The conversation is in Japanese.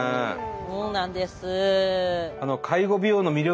そうなんです。